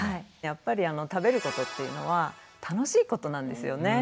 やっぱり食べることっていうのは楽しいことなんですよね。